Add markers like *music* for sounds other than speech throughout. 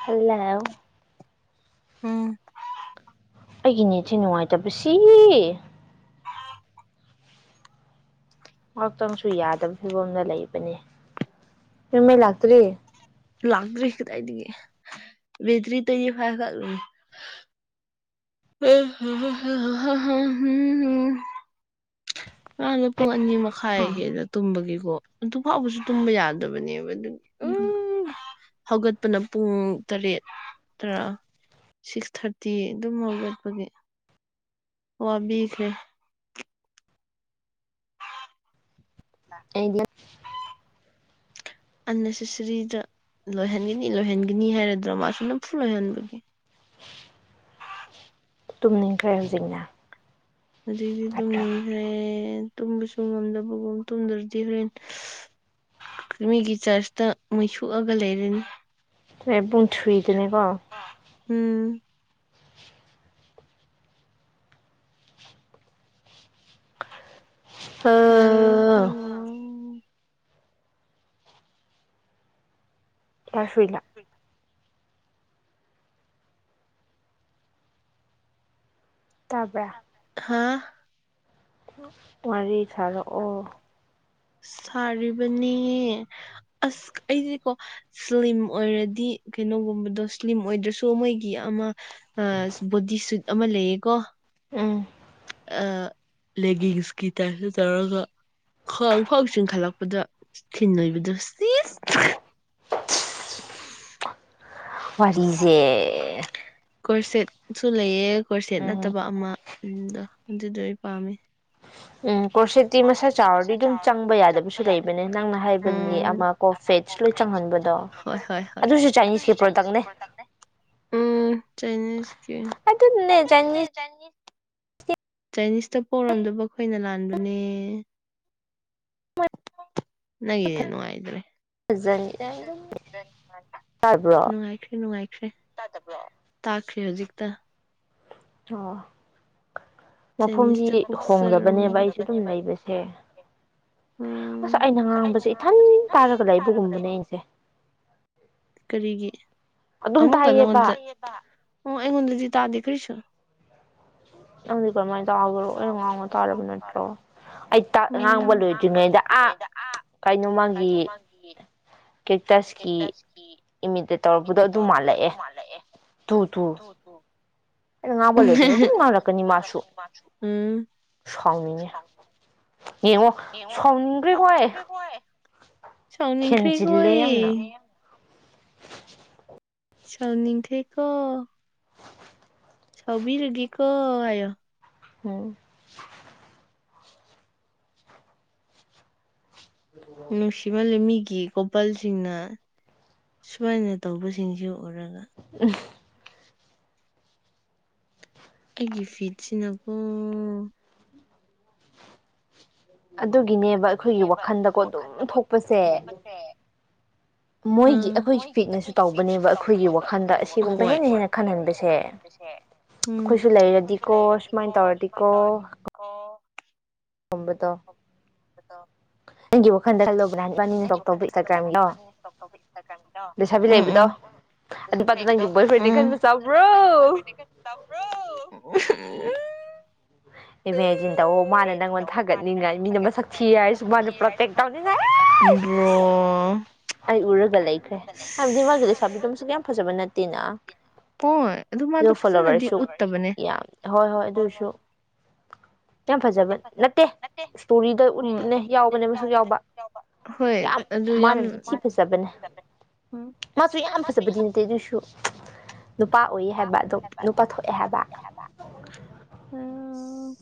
ꯈꯜꯂꯑꯣ ꯎꯝ ꯑꯩꯒꯤꯅꯦꯁꯦ ꯅꯨꯡꯉꯥꯏꯇ ꯁꯤ ꯉꯥꯏꯍꯥꯛꯇꯪꯁꯨ ꯌꯥꯗꯕ ꯐꯤꯕꯝꯗ ꯂꯩꯕꯅꯦ ꯅꯨꯝꯍꯩ ꯂꯥꯛꯇ꯭ꯔꯤ ꯂꯥꯛ꯭ꯔꯦ ꯀꯗꯥꯥꯏꯗꯤ ꯦꯖꯔꯤ ꯇ ꯐꯔ ꯐ ꯑ ꯑ ꯄꯨꯡ ꯑꯅꯤ ꯃꯈꯥꯏ ꯎꯝ ꯍ ꯑꯗ ꯇꯨꯝꯕꯒꯤ ꯑꯗꯨ ꯐꯥꯎꯕꯁꯨ ꯇꯨꯝꯕ ꯌꯥꯗꯕꯅꯦꯕ ꯎꯝ ꯍꯧꯒꯠꯄꯅ ꯄꯨꯡ ꯇꯔꯦꯠ ꯇꯔꯥ ꯁꯤꯛꯁ ꯊꯥꯔꯇꯤ ꯑꯗꯨꯝ ꯍꯧꯒꯠꯄꯒꯤ ꯑꯣ ꯑꯕꯤꯁ ꯂꯩꯦ ꯑꯩ ꯑꯟꯅꯦꯁꯦꯁꯔꯤꯗ ꯂꯣꯏꯍꯟꯒꯅꯤ ꯂꯣꯏꯍꯟꯒꯅꯤ ꯍꯥꯏꯔꯗ꯭ꯔꯥ ꯃꯥꯁꯨ ꯅꯝꯐꯨ ꯂꯣꯏꯍꯟꯕꯒꯤ ꯇꯨꯝꯅꯤꯡꯈ꯭ꯔꯦ ꯍꯧꯖꯤꯛꯅ ꯍꯧꯖꯤꯛꯗꯤ ꯅꯠꯇ꯭ꯔꯥ ꯇꯁꯦ ꯇꯨꯝꯕꯁꯨ ꯉꯝꯗꯕꯒꯨꯝ ꯇꯨꯝꯗ꯭ꯔꯗꯤ ꯍꯣꯔꯦꯟ ꯃꯤꯒꯤ ꯆꯥꯔꯆꯇ ꯃꯩꯁꯣꯛꯑꯒ ꯂꯩꯔꯅꯤ ꯍꯣꯔꯦꯟ ꯄꯨꯡ ꯊ꯭ꯔꯤꯗꯅꯦꯀꯣ ꯎꯝ ꯑ ꯂꯁꯂ ꯇꯥꯕ꯭ꯔꯥ ꯍꯥꯥ ꯋꯥꯔꯤ ꯁꯥꯔꯛꯑꯣ ꯁꯥꯔꯤꯕꯅꯦꯍ ꯑꯁ ꯑꯩꯁꯀꯣ ꯁ꯭ꯂꯤꯝ ꯑꯣꯏꯔꯗꯤ ꯀꯩꯅꯣꯒꯨꯝꯕꯗꯣ ꯁ꯭ꯂꯤꯝ ꯑꯣꯏꯗ꯭ꯔꯁꯨ ꯃꯣꯏꯒꯤ ꯑꯃ ꯑ ꯕꯣꯗꯤꯁꯨ ꯑꯃ ꯂꯩꯌꯦꯀꯣ ꯑꯝ ꯑ ꯂꯦꯒꯤꯡꯁꯀꯤ ꯇꯥꯏꯞꯇ ꯇꯧꯔꯒ ꯈꯥꯎ ꯐꯥꯎ ꯆꯤꯡꯈꯠꯂꯛꯄꯗ ꯊꯤꯟ ꯑꯣꯏꯕꯗꯣ ꯁꯤꯁ ꯋꯥꯔꯤꯖꯦ ꯀꯔꯁꯦꯠꯁꯨ ꯂꯩꯌꯦ ꯀꯔꯁꯦꯠ ꯅꯠꯇꯕ ꯑꯃ ꯎꯝ ꯗ ꯑꯗꯨꯗꯨ ꯑꯩ ꯄꯥꯝꯃꯦ ꯎꯝ ꯀꯣꯔꯁꯦꯠꯇꯤ ꯄꯤ ꯆꯥꯎꯔꯗꯤ ꯃꯁꯥ ꯑꯗꯨꯝ ꯆꯥꯎꯔ ꯑꯗꯨ ꯆꯪꯕ ꯌꯥꯗꯕꯁꯨ ꯌꯥꯗꯁꯨ ꯅꯪꯅ ꯂꯩꯕꯅꯦ ꯍꯥꯏꯕꯒꯤ ꯎꯝ ꯑꯃ ꯀꯣ ꯐꯦꯠꯁ ꯂꯣꯏ ꯆꯪꯍꯟꯕꯗꯣ ꯑꯗꯨ ꯎꯝ ꯍꯥꯏ ꯑꯗꯨꯁꯨ ꯆꯥꯏꯅꯤꯁꯀꯤ ꯄ꯭ꯔꯗꯛꯅꯦ ꯑꯗꯨꯅꯦ ꯆꯥꯏꯅꯤꯁ ꯆꯥꯏꯅꯤꯁꯇ ꯄꯣꯔꯝꯗꯕ ꯑꯩꯈꯣꯏꯅ ꯂꯥꯟꯕ ꯅꯦ ꯅꯒꯤ ꯅꯦ ꯅꯨꯡꯉꯥꯗ꯭ꯔꯦ ꯇꯥꯔꯕ꯭ꯔꯣ ꯇꯥꯗꯕ꯭ꯔꯣ ꯇꯥꯈ꯭ꯔꯦ ꯍꯧꯖꯤꯛꯛꯇ ꯑꯣ ꯃꯐꯝꯁꯤ ꯆꯥꯢꯅꯤꯁꯇ ꯍꯣꯡꯗꯕꯅꯦꯕ ꯄꯣꯛꯆꯔꯝꯃꯗꯤ ꯑꯩꯁꯨ ꯑꯗꯨꯝ ꯂꯩꯕꯁꯦ ꯑꯁ ꯑꯩꯅ ꯉꯥꯡꯕꯁꯦ ꯏꯊꯟ ꯇꯥꯔꯒ ꯂꯩꯕꯒꯨꯝꯕꯅꯦ ꯎ ꯑꯩꯁꯦ ꯀꯔꯤꯒꯤ ꯑꯗꯨꯝ ꯑꯃꯨꯛꯀ ꯇꯥꯏꯌꯦꯕ ꯅꯉꯣꯟꯗ ꯑꯣ ꯑꯩꯉꯣꯟꯗꯗꯤ ꯇꯥꯗꯦ ꯀ꯭ꯔꯤꯁ ꯅꯪꯗꯤ ꯀꯔꯝꯍꯥꯏꯅ ꯇꯥꯕ꯭ꯔꯣ ꯑ ꯉꯡꯉ ꯇꯥꯔꯕ ꯅꯠꯇ꯭ꯔꯣ ꯑꯩ ꯇꯥ ꯎꯝ ꯉꯥꯡꯕ ꯂꯣꯏꯗ꯭ꯔꯤꯉꯩꯗ ꯑꯥ ꯀꯩꯅꯣ ꯃꯥꯒꯤ ꯀꯦꯛꯇꯁꯀꯤ ꯏꯃꯤ ꯇꯧꯔꯛꯄꯗꯣ ꯑꯗꯨ ꯃꯥꯜꯂꯛꯑꯦ ꯊꯨ ꯊꯨ ꯑꯩꯅ ꯉꯥꯡꯕ ꯂꯣꯏꯗ꯭ꯔꯤꯉꯩ ꯑꯗꯨꯝ ꯉꯥꯡꯂꯛꯀꯅꯤ ꯃꯥꯁꯨ ꯎꯝ ꯁꯥꯎꯅꯤꯡꯉꯤ ꯌꯦꯡꯉꯣ ꯁꯥꯎꯅꯤꯡꯈ꯭ꯔꯦꯀꯣ ꯑꯩ ꯁꯥꯎꯅꯤꯈ꯭ꯔꯦ ꯍꯦꯟꯖꯤꯜꯂꯦ ꯌꯥꯝꯅ ꯀꯣꯑꯩ ꯁꯥꯎꯅꯤꯈ꯭ꯔꯦꯀꯣ ꯁꯥꯎꯕꯤꯔꯒꯦ ꯀꯣ ꯍꯥꯏꯌꯣ ꯎꯝ ꯅꯨꯡꯁꯤꯃꯜꯂꯦ ꯃꯤꯒꯤ ꯒꯤ ꯀꯣꯄꯜꯁꯤꯡꯅ ꯁꯨꯃꯥꯏꯅ ꯇꯧꯕꯁꯤꯡꯁꯨ ꯎꯔꯒ ꯑꯩꯒꯤ ꯐꯤꯠꯁꯤꯅꯀꯣ ꯑꯗꯨꯒꯤꯅꯦꯕ ꯑꯩꯈꯣꯏꯒꯤ ꯋꯥꯈꯜꯗꯀꯣ ꯑꯗꯨꯝ ꯊꯣꯛꯄꯁꯦ ꯃꯣꯏꯒꯤ ꯍꯥ ꯑꯩꯈꯣꯏꯒꯤ ꯐꯤꯠꯅꯁꯨ ꯇꯧꯕꯅꯦꯕ ꯑꯩꯈꯣꯏꯒꯤ ꯋꯥꯈꯜꯗ ꯑꯁꯤꯒꯨꯝꯕ ꯑꯍꯣꯏ ꯍꯦꯟꯅ ꯍꯦꯟꯅ ꯈꯟꯍꯟꯕꯁꯦ ꯎꯝ ꯑꯩꯈꯣꯏꯁꯨ ꯂꯩꯔꯗꯤꯀꯣ ꯁꯨꯃꯥꯏꯅ ꯇꯧꯔꯗꯤꯀꯣ ꯑꯣꯝꯕꯗꯣ ꯑꯇꯥ ꯍꯪ ꯋꯥꯟ ꯅꯪꯒꯤ ꯋꯥꯈꯜꯗ ꯈꯜꯂꯨ ꯏꯅꯤꯅ ꯏꯁ ꯇꯧꯕ ꯏꯟꯁꯇꯥꯒ꯭ꯔꯥꯝꯒꯤꯗꯣ ꯂꯩꯁꯥꯕꯤ ꯎꯝ ꯂꯩꯕꯗꯣ ꯑꯗꯨꯄꯥꯗꯣ ꯎꯝꯗꯣ ꯅꯪꯒꯤ ꯕꯣꯏ ꯐ꯭ꯔꯦꯟꯅꯤ ꯈꯟꯕ ꯆꯥꯎꯕ꯭ꯔꯣ ꯎꯝ꯭ꯔꯣ ꯏꯃꯦꯖꯤꯟꯗ ꯑꯣ ꯃꯥꯅ ꯅꯪꯉꯣꯟꯗ ꯊꯥꯒꯠꯅꯤꯡꯉꯥꯏ ꯃꯤꯅ ꯃꯁꯛ ꯊꯤ ꯍꯥꯏꯔꯁꯨ ꯃꯥꯅ ꯄ꯭ꯔꯣꯇꯦꯛ ꯇꯧꯅꯤꯡꯉꯥꯏ ꯕ꯭ꯔꯣ ꯑꯩ ꯎꯔꯒ ꯂꯩꯈ꯭ꯔꯦ ꯍꯥꯏꯕꯗꯤ ꯃꯥꯒꯤ ꯂꯩꯁꯥꯕꯤꯗꯣ ꯃꯁꯨꯛ ꯀ ꯌꯥꯝ ꯐꯖꯕ ꯅꯠꯇꯦꯅ ꯍꯣꯏ ꯑꯗꯨ ꯃꯥꯗꯣ ꯑꯗꯨꯒ ꯐꯖꯅꯗꯤ ꯐꯣꯂꯣꯋꯔꯁꯨ ꯎꯠꯇꯕꯅꯦ ꯌꯥꯝ ꯍꯣꯏ ꯍꯣꯏ ꯑꯗꯨꯁꯨ ꯌꯥꯝ ꯐꯖꯕ ꯅꯠꯇꯦ ꯏꯁꯇꯣꯔꯤꯗ ꯍꯣꯏ ꯎꯠꯄꯅꯦ ꯌꯥꯎꯕꯅꯦ ꯃꯁꯨꯛ ꯌꯥꯎꯕ ꯍꯣꯏ ꯌꯥꯝ ꯑꯗꯨ ꯌꯥꯝ ꯃꯥꯅꯗꯤ ꯊꯤ ꯐꯖꯕꯅꯦ ꯃꯥꯁꯨ ꯌꯥꯝ ꯐꯖꯕꯗꯤ ꯅꯠꯇꯦ ꯑꯗꯨꯁꯨ ꯅꯨꯄꯥ ꯑꯣꯏ ꯍꯥꯏꯕ ꯑꯗꯨꯝ ꯅꯨꯄꯥ ꯊꯣꯛꯑꯦ ꯍꯥꯏꯕ ꯑꯣ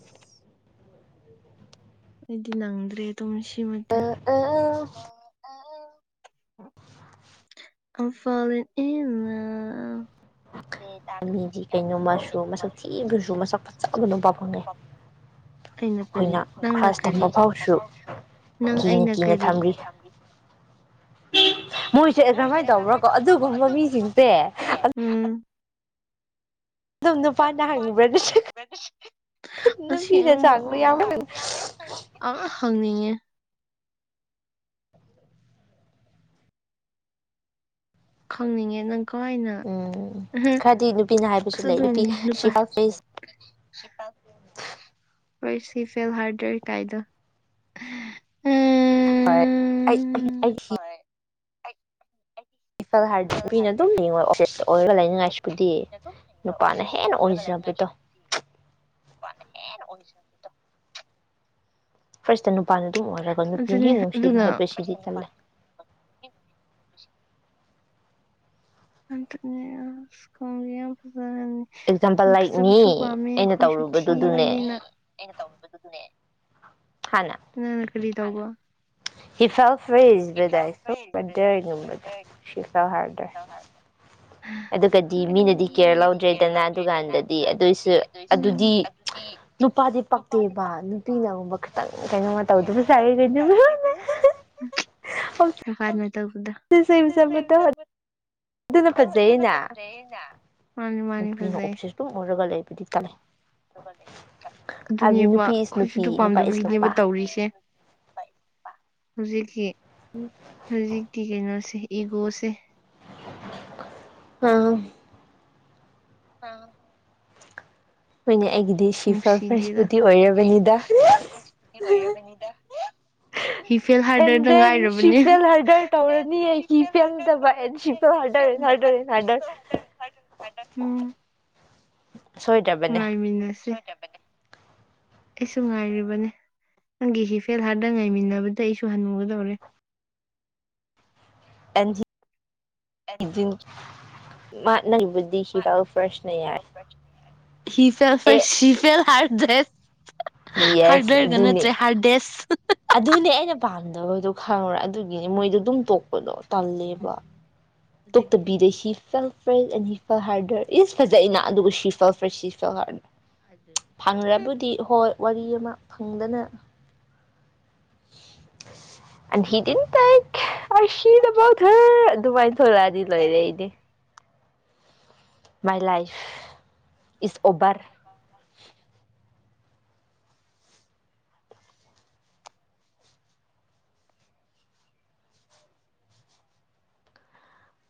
ꯑꯩꯗꯤ ꯅꯪꯗ꯭ꯔꯦ ꯑꯗꯨꯝ ꯏꯃ ꯑ ꯐꯥꯂꯦꯟ ꯑꯦ ꯃꯤꯗꯤ ꯀꯩꯅꯣ ꯃꯁꯨ ꯃꯁꯛ ꯊꯤꯕꯁꯨ ꯃꯁꯛ ꯐꯖꯕ ꯅꯨꯄꯥ ꯐꯪꯅꯩ ꯑꯩꯅ ꯑꯩꯈꯣꯏꯅ ꯈ꯭ꯔꯁ ꯀ ꯇꯝꯕ ꯐꯥꯎꯁꯨ ꯀ ꯀꯤꯅ ꯑꯩꯅ ꯀꯤꯅ ꯀꯔꯤ ꯊꯝꯔꯤ ꯃꯣꯏꯁꯦ ꯑꯦ ꯀꯔꯃꯥꯏꯅ ꯇꯧꯕ꯭ꯔꯥ ꯀꯣ ꯑꯗꯨꯒꯨꯝꯕ ꯃꯤꯁꯤꯡꯁꯦ ꯑꯗꯨꯝ ꯅꯨꯄꯥꯅ ꯍꯪꯕ꯭ꯔꯥ ꯅꯠꯇ꯭ꯔꯒ ꯅꯨꯄꯤꯅ ꯆꯥꯡꯕ ꯌꯥꯎꯕ ꯑꯁꯤꯕ ꯈꯪꯅꯤꯡꯉꯦ ꯈꯪꯅꯤꯡꯉꯦ ꯅꯪ ꯀꯥꯏꯅ ꯎꯝ ꯈꯔꯗꯤ ꯅꯨꯄꯤꯅ ꯑ ꯍꯥꯏꯕꯁꯨ ꯂꯩ ꯇ ꯅꯨꯄꯤ ꯅꯨꯄꯥ ꯁꯤ ꯐꯦꯁ ꯑꯩꯣꯏ ꯁꯤ ꯐꯦꯜ ꯍꯥꯔꯗ ꯀꯥꯏꯗ ꯍꯣꯏ ꯑꯩ ꯑꯩ ꯏꯐꯜ ꯍꯥꯏꯔꯗꯤ ꯅꯨꯄꯤꯅ ꯑꯗꯨꯝ ꯌꯦꯡꯉꯣ ꯑꯣꯐ ꯑꯣꯏꯔꯒ ꯂꯩꯅꯤꯡꯉꯥꯏꯁꯤꯕꯨꯗꯤ ꯅꯨꯄꯥꯅ ꯍꯦꯟꯅ ꯑꯣꯏꯖꯕꯗꯣ ꯅ ꯍꯦꯟꯅ ꯑꯣꯏꯖꯕꯗꯣ ꯐꯥꯔꯁꯇ ꯅꯨꯄꯥꯅ ꯑꯗꯨꯝ ꯑꯣꯏꯔꯒ ꯅꯨꯄꯤꯅ ꯑꯗꯨꯅꯦ ꯍꯦꯛ ꯅꯨꯡꯁꯤꯕ ꯑꯗꯨꯅ ꯍꯥꯏꯕꯁꯤꯗꯤ ꯆꯜꯂꯦ ꯑꯅꯦꯀ ꯑꯦꯛꯖꯥꯝꯄꯜ ꯂꯥꯏꯛ ꯃꯤ ꯐꯁꯨ ꯄꯥꯝꯃꯦ ꯑꯩꯅ ꯑꯩꯈꯣꯏꯁꯨ ꯇꯧꯔꯨꯕꯗꯨꯗꯨꯅꯦ ꯊꯤꯕꯅꯤꯅ ꯈꯔꯤ ꯇꯧꯕ ꯏꯐꯥꯎꯜ ꯐꯔꯤꯦꯖꯕꯗꯐꯗꯔꯒꯨꯝꯕꯗ ꯁꯤꯐꯥꯎ ꯍꯥꯔꯗꯔ ꯑꯗꯨꯒꯗꯤ ꯃꯤꯅꯗꯤ ꯀꯦꯌꯔ ꯂꯧꯗ꯭ꯔꯦꯗꯅ ꯑꯗꯨꯀꯥꯟꯗꯗꯤ ꯑꯗꯨꯏꯁꯨ ꯑꯗꯨꯗꯤ ꯎꯝ ꯅꯨꯄꯥꯗꯤ ꯄꯛꯇꯦꯕ ꯅꯨꯄꯤꯅꯒꯨꯝꯕ ꯈꯤꯇꯪ ꯀꯩꯅꯣꯃ ꯇꯧꯗꯕ ꯅꯨꯄꯥꯅ ꯇꯧꯕꯗꯣ ꯁꯁꯕꯠꯇ ꯑꯗꯨꯅ ꯐꯖꯩꯅꯦ ꯃꯥꯅꯤ ꯃꯥꯅꯤ ꯅꯨꯄꯤꯅ ꯐꯖꯩ ꯑꯣꯞꯁꯤꯁ ꯇꯨꯝꯅꯔꯒ ꯂꯩꯕꯨꯗꯤ ꯆꯂ ꯍꯥꯏꯕꯗꯤ ꯑꯗꯨꯅꯦꯕ ꯅꯨꯄꯤ ꯏꯁ ꯑꯩꯈꯣꯏꯁꯨ ꯅꯨꯄꯤ ꯑꯗꯨ ꯅꯨꯄꯥ ꯏꯁ ꯄꯥꯝꯗꯕꯒꯤꯅꯦꯕ ꯅꯨꯄꯥ ꯇꯧꯔꯤꯁꯦ ꯍꯧꯖꯤꯛꯀꯤ ꯍꯧꯖꯤꯛꯀꯤ ꯀꯩꯅꯣꯁꯦ ꯏꯒꯣꯁꯦ ꯑꯥ ꯑꯥ ꯄꯨꯅꯤ ꯁꯤꯂꯗꯅꯤꯗ ꯑꯦꯟ ꯗꯦꯟ ꯁꯤꯐꯦꯜ ꯍꯥꯔꯗꯔ ꯇꯧꯔꯅꯤꯌꯦ ꯁꯤ ꯄꯦꯜꯗꯕ ꯑꯦꯟ ꯁꯤꯔꯗꯔ ꯑꯦ ꯍꯥꯔꯗꯔ ꯑꯦ ꯍꯥꯔꯗ ꯎꯝ ꯁꯣꯏꯗ꯭ꯔꯕꯅꯦ ꯁꯤꯦꯅꯦ ꯑꯩꯁꯨ ꯉꯥꯏꯔꯤꯕꯅꯦ ꯅꯪꯒꯤ ꯍꯤꯐꯦꯜ ꯍꯥꯥꯔꯗ ꯉꯥꯏꯃꯤꯟꯅꯕꯗ ꯑꯩꯁꯨ ꯍꯟꯅꯨꯒꯗꯧꯔꯦ ꯑꯦꯟꯖꯤ ꯏꯖꯤꯟ ꯃꯥ ꯅꯪꯒꯤꯕꯨꯗꯤ ꯍꯤ ꯐꯦꯜ ꯐꯥꯔꯁꯅ ꯌꯥꯏ ꯍꯤꯐ ꯐ ꯑꯦ ꯁꯤꯤꯐꯦꯜ ꯍꯥꯔ ꯗ꯭ꯔꯦꯁ ꯌꯦꯁ ꯍꯥꯔꯗꯔꯒ ꯑꯗꯨꯅꯦ ꯅꯠꯇ꯭ꯔꯦ ꯍꯥꯔꯗꯦꯁ ꯑꯗꯨꯅꯦ ꯑꯩꯅ ꯄꯥꯝꯗꯕꯗꯨ ꯈꯪꯉ꯭ꯔꯦ ꯑꯗꯨꯒꯤꯅꯤ ꯃꯣꯏꯗꯣ ꯑꯗꯨꯝ ꯇꯣꯛꯄꯗꯣ ꯇꯜꯂꯦꯕ ꯑꯗꯨꯒꯤ ꯑꯩ ꯇꯣꯛꯇꯕꯤꯗ ꯍꯤ ꯐꯦꯜ ꯐ꯭ꯔꯦ ꯑꯅꯤ ꯐ ꯍꯥꯔꯗꯔ ꯏꯁ ꯐꯖꯅ ꯑꯗꯨꯒ ꯁꯤꯐ ꯐ꯭ꯔꯦ ꯁꯤꯐ ꯍꯥꯔꯗꯔ ꯍꯥꯏꯗꯔꯅꯦ ꯐꯪ꯭ꯔꯕꯨꯗꯤ ꯍꯣꯏ ꯋꯥꯔꯤ ꯑꯃ ꯐꯪꯗꯅ ꯑ ꯍꯗꯤꯤꯟ ꯇꯥꯏ ꯑꯩ ꯁꯤꯗꯐꯥꯎꯊꯔ ꯑꯗꯨꯃꯥꯏꯅ ꯊꯂꯛꯑꯗꯤ ꯂꯣꯏꯔꯦ ꯑꯩꯗꯤ ꯃꯥꯏ ꯂꯥꯏꯐ ꯏꯁ ꯑꯣꯕꯔ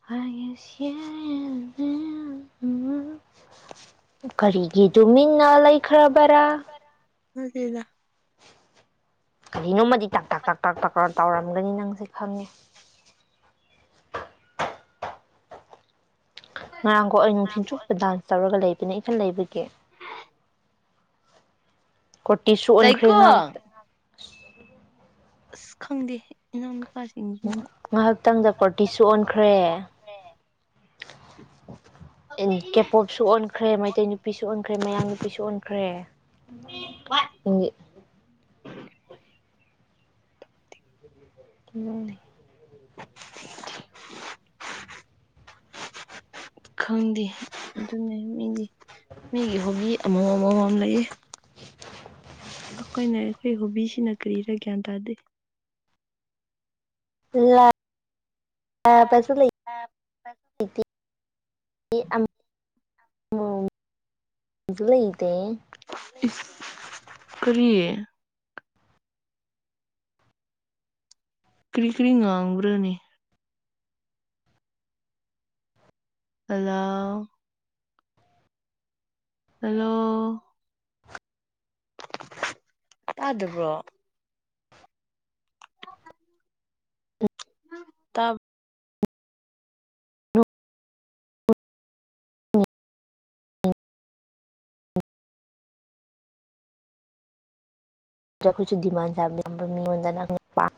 ꯍꯥꯏꯁꯤ ꯀꯔꯤꯒꯤꯗꯨ ꯃꯤꯡꯅ ꯂꯩꯈ꯭ꯔꯕꯔꯥ ꯃꯗꯗ ꯀꯔꯤꯅꯣꯝꯃꯗꯤ ꯇꯥꯛ ꯇ ꯇꯥꯛ ꯇꯥꯛ ꯇ ꯇꯧꯔꯝꯒꯅꯤ ꯅꯪꯁꯦ ꯈꯪꯉꯦ ꯉꯔꯥꯡꯒꯣ ꯑꯩ ꯅꯨꯡꯊꯤꯟ ꯆꯨꯞꯄ ꯟꯁ ꯇꯔꯒ ꯂꯩꯕ ꯑꯗꯨꯅ ꯏꯐꯜ ꯂꯩꯕꯒꯤ ꯀꯨꯔꯇꯤ ꯁꯨ ꯑꯣꯟꯈ꯭ꯔꯦ ꯇꯥꯏꯀꯣ ꯉꯥꯏꯍꯥꯛꯇ ꯑ ꯑꯁ ꯈꯪꯗꯦ ꯏ ꯎ ꯉꯥꯏꯍꯥꯛꯇꯪꯗ ꯀꯨꯔꯇꯤꯁꯨ ꯑꯣꯟꯈ꯭ꯔꯦ ꯀꯦꯄꯣꯞꯁꯨ ꯑꯣꯟꯈ꯭ꯔꯦ ꯃꯩꯇꯩ ꯅꯨꯄꯤꯁꯨ ꯑꯣꯟꯈ꯭ꯔꯦ ꯃꯌꯥꯡ ꯅꯨꯄꯤꯁꯨ ꯑꯣꯟꯈ꯭ꯔꯦ ꯏꯒꯤꯦ ꯎꯝ *unintelligible* ꯈꯪꯗꯦ ꯑꯗꯨꯅꯦ ꯃꯤꯗꯤ ꯃꯤꯒꯤ ꯍꯤ ꯑꯃ ꯃꯝꯃꯝ ꯂꯩꯌꯦ ꯑꯩꯈꯣꯏꯅ ꯑꯩꯈꯣꯏ ꯍꯣꯕꯤꯁꯤꯅ ꯀꯔꯤꯔ ꯒ꯭ꯌꯥꯟ ꯇꯥꯗꯦ ꯂ ꯑꯦ ꯄꯦꯁꯥ ꯂꯩ ꯗꯨ ꯂꯩꯗꯦ ꯏꯁ ꯀꯔꯤ ꯀ꯭ꯔꯤ ꯀ꯭ꯔꯤ ꯉꯥꯡꯕ꯭ꯔꯥꯅꯦ ꯑꯂ ꯍꯜꯂꯣ ꯇꯥꯗꯕ꯭ꯔꯣ *inaudible* ꯇꯞ ꯀꯣꯏꯁꯨ ꯗꯤꯃꯥꯟ ꯆꯥꯕ ꯃꯤꯉꯣꯟꯗ ꯅꯪꯅ ꯄꯥꯝ